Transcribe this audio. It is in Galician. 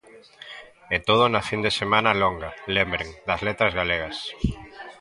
E todo na fin de semana longa, lembren, das Letras Galegas.